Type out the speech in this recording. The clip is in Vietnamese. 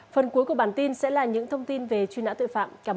phần cuối của bản tin sẽ là